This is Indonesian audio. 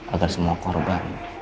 agar semua korban